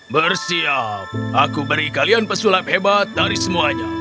bersiap aku beri kalian pesulap hebat dari semuanya